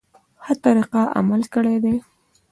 ښه طریقه عمل کړی دی.